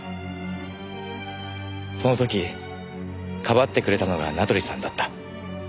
その時かばってくれたのが名取さんだった。